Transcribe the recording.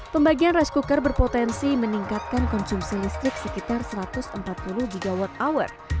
pembagian rice cooker berpotensi meningkatkan konsumsi listrik sekitar satu ratus empat puluh gigawatt hour